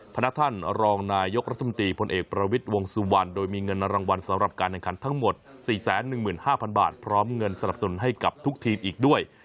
พระท่านรองนายกรัฐมนตรีพลเอกประวิทย์วงสุวรรณโดยมีเงินรางวัลสำหรับการแข่งขันทั้งหมด๔๑๕๐๐บาทพร้อมเงินสนับสนุนให้กับทุกทีมอีกด้วย